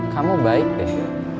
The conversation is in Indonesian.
kamu baik deh